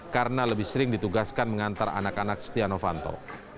karena lebih sering ditugaskan mengantar anak anak stiano fanto